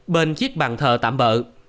bên chiếc bàn thờ tạm bỡ